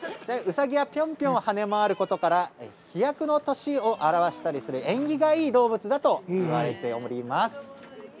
うさぎはぴょんぴょん跳ね回ることから飛躍の年を表したりする縁起がいい動物だというふうにいわれております。